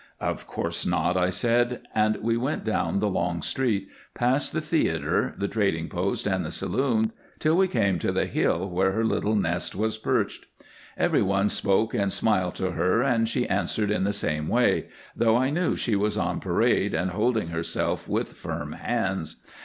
"Of course not," I said, and we went down the long street, past the theater, the trading post, and the saloons, till we came to the hill where her little nest was perched. Every one spoke and smiled to her and she answered in the same way, though I knew she was on parade and holding herself with firm hands.